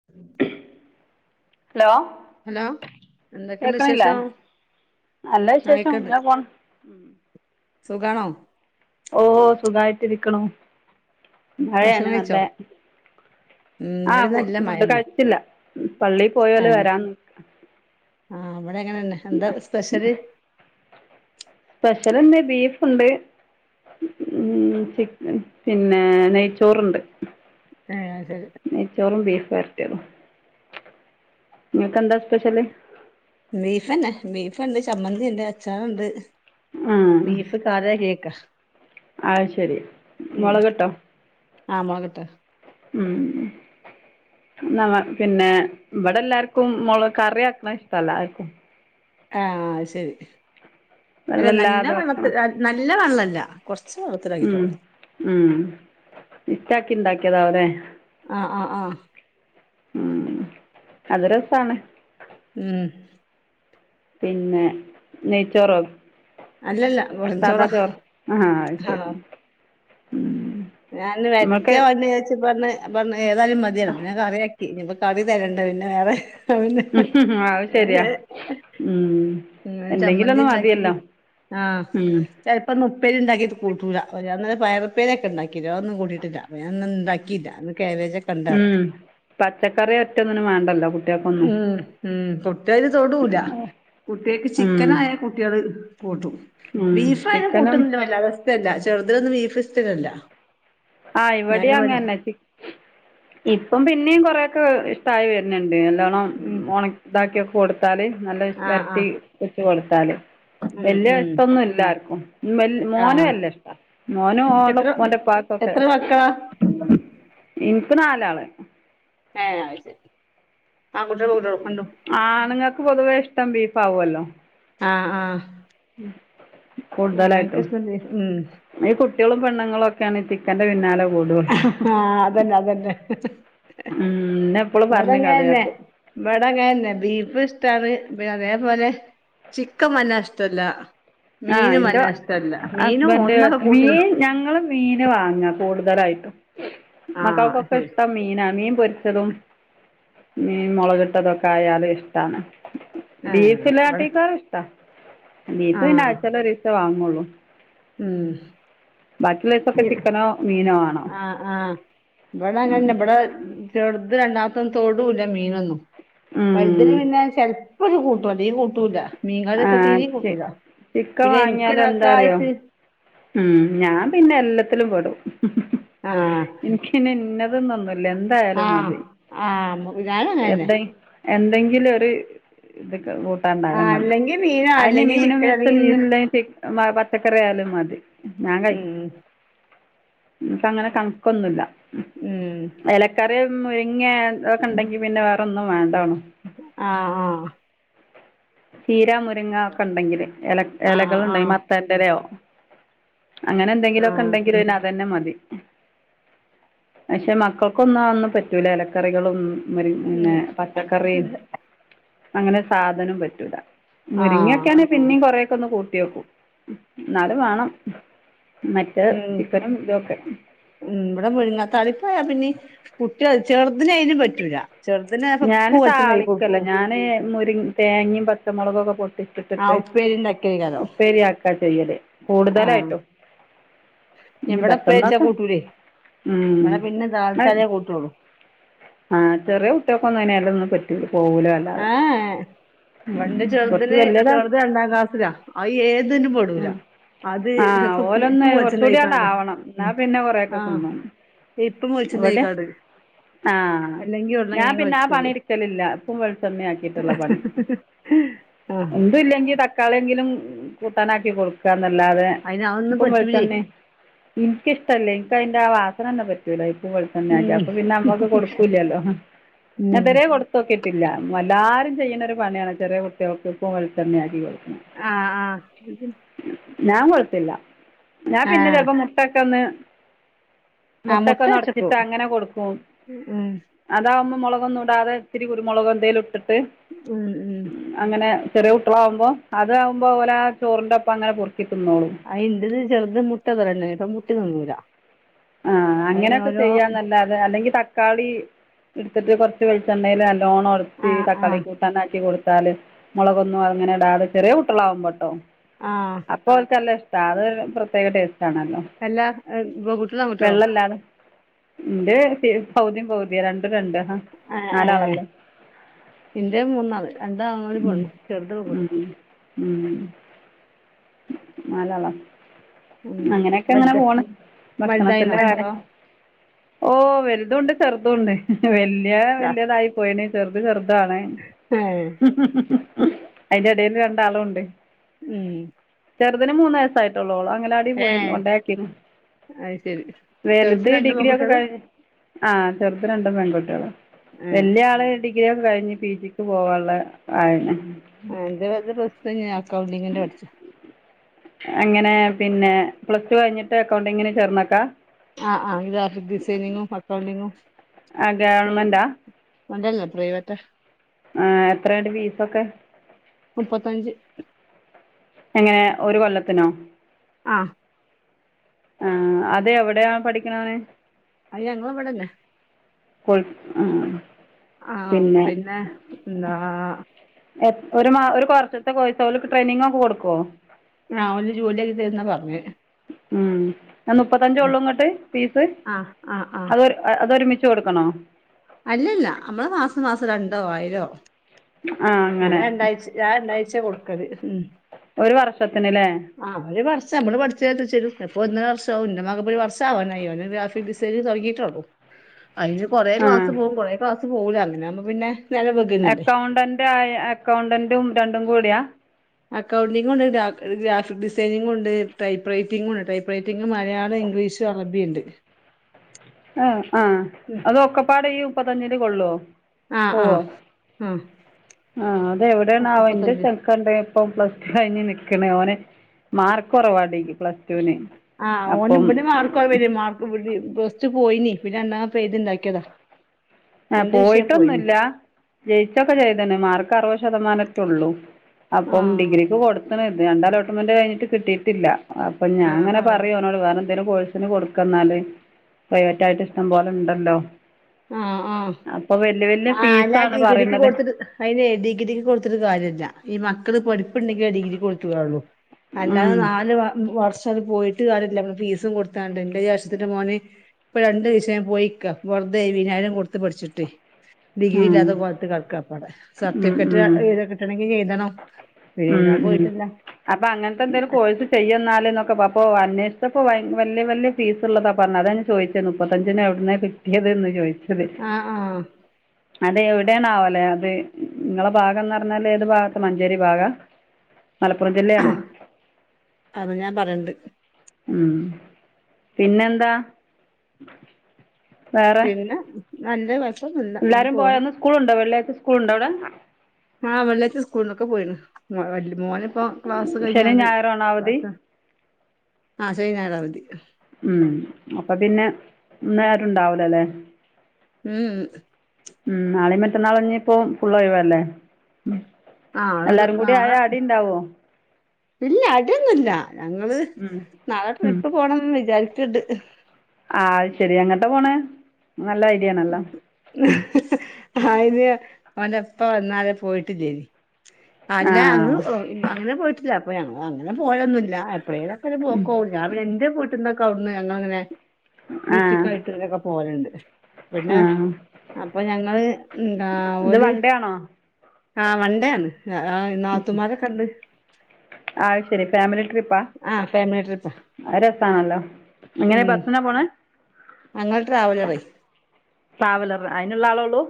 [inaudible] Law hello എന്തൊക്കെണ്ട് വിശേഷം നല്ല വിശേഷം ആയിക്കണ്ട് ഇങ്ങനെപോണ്. സുഖാണോ? ഓഹ് സുഖായിട്ട് ഇരിക്കണു ഭക്ഷണം മഴയാണ് കഴിച്ചോ നല്ലെ ഉം ആഹ് ഇവിടെ ഫു നല്ല ഫുഡ് മഴന്നെ കഴിച്ചില്ല പള്ളീ പോയോല് ആഹ് വരാ ആഹ് വടെങ്ങനണ്ട് എന്താ സ്പെഷ്യല് സ്പെഷ്യൽ ഇന്ന് ബീഫ് ഇണ്ട് ഉം ചിക്കൻ പിന്നെ നെയ്ച്ചോറുണ്ട് ഏഹ് അത്ശരി നെയ്ച്ചോറും ബീഫ് വരട്ടിയതും ഇങ്ങക്ക് എന്താ സ്പെഷ്യല് ബീഫന്നെ, ബീഫുണ്ട്, ചമ്മന്തി ഉണ്ട്, അച്ചാറുണ്ട്, [unintelligible] [unintelligible] ആഹ് ശരി മുളക് ഇട്ടോ ആ മുളകട്ടതാ ഉം നമ്മ പിന്നെ ഇപടെ എല്ലാർക്കും മൊള്കറി ആക്കണെ ഇഷ്ടല്ല ആർക്കും. ആഹ് ശരി അല്ല നല്ല വെള്ളല്ലാതെ വെള്ളത്തി വെക്കണം നല്ല വെള്ളല്ല കുറച്ച് ഉം വെള്ളത്തിലാക്കിട്ടൊള്ളു ഉം [unintelligible] ഇണ്ടാക്കിയതാ അവിടെ ആഹ് ആഹ് ആഹ് ഉം അത് രസാണ് ഉം പിന്നെ നെയ്ച്ചോറോ? അല്ലല്ല സാദാ വെറുഞ്ചോറാ ചോറ് ആഹ് ശരി ഉം ഞാന് മറ്റേ വണ്ടിയാച്ച് പർണ് അപ്പൊ ഏതായാലും മതിയാണ് പിന്നെ കറിയാക്കി ഇനിയിപ്പം കറി തരണ്ട പിന്നെ വേറെ പിന്നെ ഉം അതും ശരിയാ ഉം ഇന്ന് എന്തെങ്കിലും ചമ്മന്തി ഒന്ന് ഇണ്ടാക്കി മതിയല്ലോ ആഹ് ഉം ചിലപ്പം ഇന്ന് ഉപ്പേരി ഉണ്ടാക്കിട്ട് കൂട്ടൂല്ല അന്നരം പയർ ഉപ്പേരി ഒക്കെ ഉണ്ടാക്കില്ലോ അതൊന്നും കൂട്ടിട്ടില്ല [unintelligible] ഇണ്ടാക്കീല്ല ഇന്ന് കാബേജ ഉം പച്ചക്കറി ഒറ്റ ഒന്നിനും വേണ്ടല്ലോ കുട്ടികക്ക് ഒന്നും ഉം കുട്ടിയേക്ക് ചിക്കനായാ കുട്ടിയേള് കൂട്ടും ഉം ബീഫായാലും ചിക്കനും കൂട്ടൊന്നില അവസ്ഥല്ല ചെർതിനൊന്നും ബീഫ് ഇഷ്ട്ടനല്ല. ആഹ് ഇവിടെ അങ്ങന്നെ ഞ്ഞെ ഇപ്പം പിന്നിം കൊറെയൊക്കെ. തായ് വരുന്നുണ്ട് നല്ലോണ്ണം ഉം ഒണ ഇതാക്കിയൊക്കെ കൊടുത്താല് നല്ല ആഹ് വർട്ടി. ആഹ് [unintelligible] കൊടുത്താലും ഉം വല്യ ഉം ഇഷ്ടൊന്നും ഇല്ലാർക്കും. വൽ മോന് ആഹ് നല്ല ഇഷ്ട മോനും ഓന്റെ എത്ര ഉ ഉപ്പാക്ക് എത്ര മക്കളാ? ഇൻക്ക് നാലാള്. ഏഹ് ആയ്ശെരി ആൺകുട്ട്യാലും പെൺകുട്ടയാളും രണ്ടും. ആണ്ങ്ങക്ക് പൊതുവെ ഇഷ്ടം ബീഫ് ആവൊല്ലോ. ആഹ് ആഹ് ഉം കൂടുതലായിട്ടും. അനക്കിഷ്ടല്ലേ ഉം ഈ കുട്ടിയേളും പെണ്ണുങ്ങളൊക്കേണ് ചിക്കന്റെ പിന്നാലെ. ആ [unintelligible] ഉം അതന്നെ അതന്നെ ഇന്നെ എപ്പോളും പർഞ്ഞ്കളിയാക്കും. ഇവടെങ്ങന്നെ ബീഫ് ഇഷ്ടാണ് പിന്നെ അതേപോലെ. ചിക്കം വല്ലാ ഇഷ്ടല്ല, ആഹ് മീനും ഇന്റെ വല്ലാ ഇഷ്ടല്ല മീനും ഹസ്ബൻഡ് ഒന്നൊക്കെ കൂട്ടി മീൻ ഞങ്ങള് മീന് വാങ്ങ കൂടുതലായിട്ടും. ആ മക്കക്കൊക്കെ ശരി ഇഷ്ടം മീനാ മീൻ പൊർച്ചതും മീൻ മുളകിട്ടതൊക്കെ ആയാല് ഇഷ്ടാണ്. ആ ബീഫ് ഇവിടെ ല്ലാട്ടിക്കാളും ഇഷ്ടാ ബീഫ് ആ പിന്ന ആഴ്ച്ചലൊരിക്ക വാങ്ങുള്ളു. ഉം ചിക്കനോ മീനോ ആണോ [unintelligible] ആഹ് ആഹ് ബടെതന്നെ ബടെ മ് ചെർത് രണ്ടാമത്തൊന്നും തൊടൂല്ല മീനൊന്നും വല് തിന് ഉം പിന്നെ ചെലപ്പൊന്ന് കൂട്ടും അല്ലേൽ കൂട്ടൂല. മീൻ കറി വെച്ചാ ആഹ് തീരീൻ ചി കൂട്ടൂല ചിക്കൻ പിന്നെ ഇൻക്ക് വാങ്ങിയാലും എന്താറിയോ ഒരാക്കായിട്ട്. ഉം ഞാൻ പിന്നെ എല്ലാത്തിലും പെടും. ആഹ് ഇൻക്ക് ഇന്നതന്നൊന്നുല്ല ആ എന്തായാലും മതി ആ ഞാനും അങ്ങനെ തന്നെ എന്തയ് എന്തെങ്കിലും ഒരു ഇത് ആ കൂട്ടാണ്ടായാമതി. അല്ലെങ്കിൽ മീനോ അതിന് അല്ലെങ്കിൽ മീനും ചിക്കൻ അല്ലെങ്കിൽ വെച്ചൊന്നും ബീഫ് ഇല്ലാനിറ്റ്. മ പച്ചക്കറി ആയാലും മതി ഞാൻ കഴിക്കും. ഉം ന്ക്ക് അങ്ങനെ കണ്ക്കൊന്നുല്ല. ഉം. എലക്കറി മുരിങ്ങേ ഒക്കെ ഇണ്ടെങ്കി പിന്നെ വേറെ ഒന്നും വേണ്ടാണും. ആഹ് ആഹ് ചീര, മുരിങ്ങ ഒക്കെ ഇണ്ടെങ്കില് എല ആ ആ ആ എലകളുണ്ടെങ്ക മത്തന്റലയോ അങ്ങനെ എന്തെങ്കിലൊക്കെ ഇണ്ടെങ്കില് പിന്നെ അതന്നെ മതി. പക്ഷെ മക്കൾക്കൊന്നും അതൊന്നും പറ്റൂല ഇലക്കറികളൊന്നും. മുരി പിന്നെ ഉം പച്ചക്കറിം അങ്ങനെ സാധനും പറ്റൂല. ആ മുരിങ്ങിയൊക്കാനെ പിന്നെയും കൊറെയൊക്കെ ഒന്ന് കൂട്ടിയോക്കും ഉം ഇന്നാലും വാണം. മറ്റേ ഉം ചിക്കനും ഇതൊക്കെ. ഉം ഇബടെ മുരിങ്ങാ താളിപ്പായാ പിന്നിം കുട്ടിയേ ചെർതിനെയ്നും പറ്റൂല. ചെർതിനെ ഞാന് താളിക്കല്ല ഞാന് മുരി തേങ്ങിമ് പച്ചമുളകും ഒക്കെ പൊട്ടിചിട്ടിട്ട്. ചക്ക കോ ക്ക ചെയ്യല് കൂടുതലായിട്ടും. ഇവിടെ ഉപ്പേരി വെച്ചാ ബറ്റൊന്നോക്കെ കൂട്ടൂലേ ഉം ഇവിടെ പിന്നെ നാ ദാൽച്ചാലേ കൂട്ടുള്ളൂ ആഹ് ചെറിയ കുട്ട്യാക്കൊന്നും അയ്ൻ എലൊന്നും പറ്റൂല പോകൂല വല്ലാതെ. ഉം ഇന്റെ കുറച്ച് ചെർതിന് വലുതാ ചെർത് രണ്ടാം ക്ലാസ്സിലാ അത് ഏതിലും പെടൂല. ഉം അത് ആ ചെപ്പോ ഉപ്പു ഉപ്പു ഓലൊന്ന് വെള്ച്ച കുറച്ചുകൂടി അങ്ങട് ണ്ണായ്ക്കാണ്ട് ആവണം എന്നാ പിന്നെ കൊറേയൊക്കെ ആഹ് തിന്നും ഇപ്പും ഇവിടെ വെളിച്ചെണ്ണയ്ക്കാണ്ട് ആഹ് ഞാൻ പിന്നെ ആ പണി വെച്ചത് ഇടുക്കലില്ല ഇപ്പും വെളിച്ചണ ആക്കിയിട്ടുള്ള പണി ആ ഇതുംല്ലെങ്കി തക്കാളിയെങ്കിലും കൂട്ടാനാക്കി കൊടുക്കാന്നല്ലാതെ അതിന് അതൊന്നും ഉപ്പും പറ്റൂലേ വെളിച്ചണ്ണേം എനിക്കിഷ്ടമല്ല എനക്ക് അതിന്റെ ആ വാസനന്ന പറ്റുല. ഉം. അപ്പൊ പിന്നെ നമ്മക്ക് കൊടുക്കൂല്ലല്ലോ ഉം. നോക്കീട്ടില്ല എല്ലാരും ചെയുന്നൊരു പണിയാണ് ചെറിയ കുട്ടിയോൾക്ക് ഉപ്പും വെളിച്ചെണ്ണേ ആക്കി കൊടുക്കുന്നേ ആഹ ആഹ് ഞാൻ കൊഴത്തില്ല ഞാൻ ആ പിന്നെ ചെിലപ്പോ മുട്ട ഒക്കെ ഒന്ന് ആ മുട്ടൊക്കെ മുട്ട വെച്ചപ്പോ ഒന്നൊടച്ചിട്ട് അങ്ങനെ കൊടുക്കും ഉം അതാവുമ്പോ മുളകൊന്നും ഇടാതെ ഇത്തിരി കുരുമുളകോ എന്തേലും ഇട്ടിട്ട് ഉം ഉം അങ്ങനെ ചെറിയ കുട്ടളാവുമ്പോ അതാവകുമ്പോ പോലെ ആ ചോറിന്റെ ഒപ്പം അങ്ങനെ പറുക്കിതിന്നോളൂ അയ്ന്റെത് ചെറ്ത് മുട്ട തു [unintelligible] ഇപ്പ മുട്ടേ തിന്നൂലാ ആഹ് അങ്ങനെയൊക്കെ ചെയ്യാന്നല്ലാതെ അല്ലെങ്കിൽ തക്കാളി എടുത്തിട്ട് കുറച്ച് വെളിച്ചെണ്ണയിൽ നല്ലോണം ഉടച്ച് ആ ആ തക്കാളി കൂ നന്നാക്കി കൊടുത്താല് മുളകൊന്നും അങ്ങനെ ഇടാതെ ചെറിയ കുട്ടികളാ ആവും പെട്ടോ ആഹ് അപ്പൊ ഓൽക്കെല്ലാം നല്ല ഇഷ്ടാണ് അതൊരു പ്രത്യേക ടേസ്റ്റ് ആണല്ലോ അല്ലാ ഹ് ബ്ബോ ഗുഡ് വെള്ളല്ലാതെ ഉന്റെ പൗതിം പൗതി രണ്ടും രണ്ട് ആ ആഹ് ആഹ് നാലാളല്ലേ ഇന്റെ മൂന്നാള് രണ്ടാണും ഒരു ഉ പെണ്ണും ചെറുത് പെൺകുട്ടി ഉ ഉ നാലളാ ഉം അങ്ങനെക്കെ അങ്ങനെ വലുത് പോണ് വലുതായിനോ ഭക്ഷണത്തിന്റെ അതോ കാര്യങ്ങള് ഓ വലുതും ഉണ്ട് ചെറുതും ഉണ്ട് വല്ല്യാ വെല്ല്യതായി പോയണ് ചെറുത് ചെറുതാണ് ഏഹ് അയിന്റെ ഇടയിൽ രണ്ടാളുംണ്ട് ഉം ചെറുന് മൂന്ന് വയസായിട്ടുളളു അങ്ങലാ പോയി ഏഹ് ഉണ്ടാക്കി അത് ശരി ചെറുത് വലുത് രണ്ട് ഡിഗ്രിയ ഒക്കെ പെൺകുട്ടികള് കഴിഞു ആഹ് ചെറുത് രണ്ടും പെൺകുട്ടിയോളാ ഏഹ് വല്ല്യാളാ ഡി ഡിഗ്രിയൊകെ കഴിഞ്ഞ് പി ജിക്ക് പോവാനുള്ള ആയാണ് ആ എന്റെ വല പ്രസ്തം ഞാ അക്കൗണ്ടിങ്ങിന്റെ പഠിച്ചു അങ്ങനെ പിന്നെ പ്ലസ് ടു കഴിഞ്ഞിട്ട് അക്കൗണ്ടിങ്ങിന് ചേർന്നോക്കാ ആഹ് ആഹ് ഗ്രാഫിക്‌ ഡിസൈനിങ്ങും അക്കൗണ്ടിങ്ങും ആഹ് ഗവൺമെന്റാ അതല്ല പ്രൈവറ്റ ആഹ് എത്രയിണ്ട് ഫീസൊക്കെ മുപ്പത്തഞ്ച് എങ്ങനെ ഒരു കൊല്ലത്തിനോ ആഹ് ആ അത് എവിടെയാണ് പഠിക്കണന് അയ് ഞങ്ങളിവിടെന്നെ കോഴ് ആഹ് ആഹ പിന്നെ എന്താ എ ഒരു മാ ഒരു കൊറച്ച്ത്തെ കോഴ്സാ ഓല് ട്രെയിനിങ്ങക്കെ കൊടുക്കുവോ? ആഹ് ഓൽ ജോലിയൊക്കി തരുന്ന പറഞ്ഞേ ഉം മുപ്പത്തഞ്ച് ഉള്ളൂ ഇങ്ങട്ട് ഫീസ് ആഹ് ആഹ് ആഹ് അതൊരു അതൊരുമിച്ച് കൊടുക്കണോ അല്ലല്ല നമ്മള് മാസം മാസം രണ്ടോ ആയിരോ ആ ഞാ അങ്ങനെ രണ്ടാഴ്ച ആ രണ്ടാഴ്ച കൊടുക്കൽ ഒരു വർഷത്തിന്ല്ലേ ആ ഒരു വർഷ നമ്മ പഠിച്ച അപ്പോ ഒന്നര വർഷാവും എന്റെ മക ഒരു വർഷാവാനായി അവൻ ഗ്രഫിക് ഡിസൈനിങ് തുടങ്ങിട്ടുള്ളു അതിന് കൊറേ ആ ക്ലാസ് പോകും കുറേ ക്ലാസ്സ് പോകുല അങ്ങനെ ആകുമ്പോ പിന്നെ നേരം വെകുന്നുണ്ട് അക്കൗണ്ടന്റ് ആ അക്കൗണ്ടന്റും രണ്ടും കൂടിയാ അക്കൗണ്ടിങ് ഉണ്ട് ഗ്രാഫിക് ഡിസൈനിങ് ഉണ്ട് ടൈപ്പ് റൈറ്റിങ് ഉണ്ട് ടൈപ്പ് റൈറ്റിംഗ് മലയാളം ഇംഗ്ലീഷ് [unintelligible] അറബിയുണ്ട് ആ ആഹ് ഉം അത് ഒക്കപ്പാട് ഈ മുപ്പത്തിയഞ്ചിൽ കൊള്ളുവോ ആ ആ പോവോ ആ ആ അതെവിടെ ണാ ഒക്കെ വോഎന്റെ മുപ്പത്തഞ്ച് സ്ഥലത്ത് കണ്ട് ഇപ്പം പ്ലസ് ടു കഴിഞ്ഞ്നിക്കണേ ഓന് മാർക്ക് കുറവാണ്പ്ലസ് ആഹ് ഓന്ഇവിടെ മാർക്ക്കുറവായിരുന്നേ നി മാർക്ക് ഇ പ്ലസ് ടുപോയിനി പിന്നെ രണ്ടാമത് എഴുതി ഉണ്ടാക്കിയതാ ആഹ് പോയിട്ടൊന്നുല്ല ജയിച്ചൊക്കെ ചെയ്ത്ണ് മാർക്ക് അറുപത് ശതമാനം ഒക്ക ഉള്ളൂ ആ അപ്പം ഡിഗ്രിക്ക് കൊടുത്ത ത്ത്ണ് രണ്ട് അലോട്ട്മെന്റ് കഴിഞ്ഞിട്ട് കിട്ടിയിട്ടില്ല അപ്പൊ ഞാൻ ആഹ് ഇങ്ങെ ആഹ് പറയും ഓനോട് കാരണം എതേലും കോഴ്സിന് കൊടുക്ക എന്നാല് പ്രൈവറ്റ് ആയിട്ട് ഇഷ്ടം പോലെ ഉണ്ടല്ലോ ആഹ് ആഹ് അപ്പം വലിയ വലിയ ആ അല്ലാ ഫീസാണ് ഡിഗ്രിക്ക് പറയണത് കൊടുത്തിട്ട് അയിന് ഡിഗ്രിക്ക് കൊടുത്തിട്ട്കാര്യമില്ല ഈ മക്കള് പഠിപ്പുണ്ടെങ്കിൽ ഡിഗ്രി കൊടുത്തട്ടെ കാര്യമുള്ളു ഉം അല്ലാതെ നാല് വർഷ പോയി ട്ട് ഫീസും കൊടുത്താണ്ട് എന്റെ ജേഷ്ഠത്തിന്റെ മോന് ഇപ്പൊ രണ്ട് വിഷയം പോയിക്ക ഏഴുവതിനായിരം കൊടുത്ത് പഠിച്ചിട്ട് ഡിഗ്രി ഉം ഇല്ലാത്തെകോലത്തില് കടക്കപ്പാടെ ഉം ഉം സർട്ടിഫിക്കറ്റ് കിട്ടണമെങ്കി എഴുതണം പിന്നെ ഏതാൻ പോയിട്ടില്ല അപ്പ അങ്ങനത്തെ ന്തെലും കോഴ്സ് ചെയ്യ എന്നാല്എന്നൊക്കെ അപ്പോ അന്വേഷിച്ചപ്പോ വല്യയ വല്യയ ഫീസ് ഉള്ളതാ പറഞ്ഞത് അതാ ഞാൻചോദിച്ചത് മുപ്പത്തഞ്ചിന് എവിടുന്ന [unintelligible] ചോദിച്ചത് ആഹ് ആഹ് അതെ എവിടെയാണ് ആവല്ലെ അത് നിങ്ങളെ ഭാഗം എന്ന് പറഞ്ഞാല് ഏത് ഭാഗത്ത് മഞ്ചേരി ഭാഗം ആ [unintelligible] മലപ്പുറം ജില്ലയാണോ അത് ഞാൻ പറയണ്ട് ഉം പിന്നെന്താ വേറെ പിന്നെ നല്ല വ എല്ലാരും പോയന്ന് സ്കൂളുണ്ടോ വെള്ളാഴ്ച സ്കൂളുണ്ടോ അവിടെ ആഹ് വെള്ളാഴ്ച്ചസ്കൂളിലൊക്കെ പോയിണ് വല് മോനെ ഇപ്പോ ക്ലാസ് ശനിയും കഴിഞ്ഞണ്ട് ഞായറും ആണോ അവധി ആ ശനി ഞായർ അവധി ഉം അപ്പൊ പിന്നെ ഇന്ന് ആരും ഉണ്ടാവിലല്ലേ ഉ ഉ മം നാളി മറ്റന്നാളഞ്ഞ ഇപ്പോം ഫുൾ ഒഴിവല്ലേ നാളെ ദ് എല്ലാരും കൂടി നാളെ ആയാ ആടി ഉണ്ടാവോ ഇല്ല അടിയൊന്നില്ല ഞങ്ങള് ഉം നാളെ ഉം ട്രിപ്പ് പോണന്ന് വിചാരിക്ക്ണ്ട് ആ അത് ശെരി എങ്ങട്ട് പോണ് നല്ല ഐഡിയ ആണല്ലോ? ആയിന് അവന എപ്പ വന്നാല പോയിട്ടില്ലേതി ആ അല്ല ഞങ്ങ അങ്ങനെ പോയിട്ടില്ല അപ്പൊ ഞങ്ങ അങ്ങനെ പോയൊന്നുമില്ല എപ്പോഴേക്കെ ഉം പോക്കള്ള ഞാൻ പിന്നെ ഇന്റെ വീട്ടിൽന്നൊക്കെ അവിന്ന് ഞങ്ങള് അങ്ങനെ ആ ബീച്ചക്കായിട്ട്ക്കെ ഇങ്ങനെ പോവലുണ്ട്. പിന്നെ ആ അപ്പൊ ഞങ്ങള് ന്താ ഇത് ഓല് വൺ ഡേ ആണോ ആ വൺണ്ടേ ആണ്. ആ നാതൂമാരൊക്കെ ഉണ്ട്. അത് ശരി ഫാമിലി ട്രിപ്പ ആഹ് ഫാമിലി ട്രിപ്പ് രസമാണല്ലോ എങ്ങനെ ഉം ബസിനാ പോണ ഞങ്ങൾ ട്രാവലറ ട്രാവലർ അതിനുള്ള ആളേ ഉള്ളൂ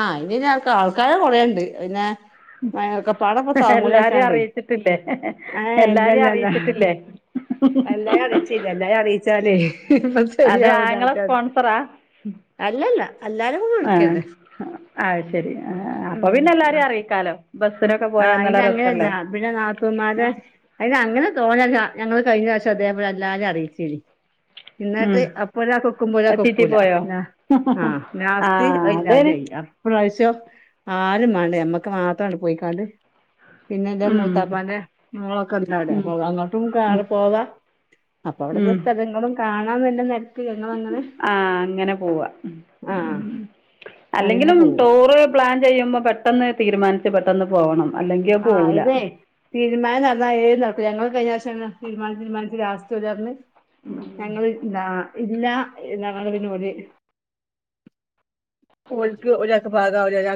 ആഹ് ഇനി ആൾക്ക ആൾക്കാരെ കൊറേണ്ട് പിന്നെ മേ ഒക്കപടെ പ്പാ എല്ലാവരെയും തങ്ങൂലാചാണ്ട് അറിയിച്ചിട്ടില്ലേ യേ ഇല്ല എല്ലാവരെയും ല്ലല്ല അറിയിച്ചിട്ടില്ലേ എല്ലാരും അറിയിച്ചില്ല എല്ലും അറിയിച്ചാലേ അത് ശെരിയാവുല ആങ്ങള രാജാത് സ്പോൺസറാ അല്ലല്ല എല്ലാരുകുടിട്ക്കന്നെ ആഹ് ശരി അപ്പൊ പിന്നെ എല്ലാരും അറിയിക്കാലോ ബസ്സിലൊക്കെ ആഹ് അയിന് അങ്ങനെയല്ല പിന്നെ നാത്തൂന്മാരെ അതിന് അങ്ങനെ തോന്നല്ലാ ഞങ്ങള് കഴിഞ്ഞവശം അതെ പോല എല്ലാരും അറിയിച്ചിനി എന്നിട്ട് അപ്പോ ഒരാക്കൊക്കുമ്പോ ഒരാക്ക്‌ ചീറ്റി ഒക്കൂല പോയോ ഞാ ആഹ് ആ നാസ്തി അല്ല അത അതേന് അയല്ല. ഇപ്രാവശ്യോ ആരും വേണ്ട ഞമ്മക്ക് മാത്രം അങ്ങട്ട് പോയിക്കാണ്ട്. പിന്നെ ഇന്റെ മൂത്താപ്പാന്റെ മോളൊക്കെ ഇണ്ട് അവിടെ. അപ്പൊ അങ്ങോട്ടും കാറി പോവാ. അപ്പൊ അവിടത്തെ സ്ഥലങ്ങളും കാണാൻ നല്ല ന ആഹ് അങ്ങനെ പോവാ ആ ഉം അങ്ങനെ അല്ലെങ്കിലും പോവാ ടൂറ് പ്ലാൻ ചെയ്യുമ്പോ പെട്ടെന്ന് തീരുമാനിച്ച് പെട്ടെന്ന് പോവണം. ആ ഇതെ തീരുമാനം പറഞ്ഞാൽ ഏത് നടക്കൂല ഞങ്ങള് കഴിഞ്ഞ പ്രാവിശ്യം തീരുമാനിച്ച് തീരുമാനിച്ച് ലാസ്റ്റ് ഓല് പറഞ്ഞു ഞങ്ങള് ന്താ ഇല്ല ഞങ്ങളന്ന് പറഞ്ഞു ഓല് ഒല്ക്ക് ഒരാക്ക് ഭാഗ ആവൂല ഒരാക്ക്